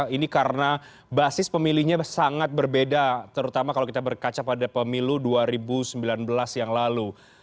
ini karena basis pemilihnya sangat berbeda terutama kalau kita berkaca pada pemilu dua ribu sembilan belas yang lalu